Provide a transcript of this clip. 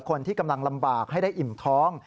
คนที่กำลังลำบากให้ได้อิ่มท้อง